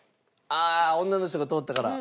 ああ女の人が通ったから？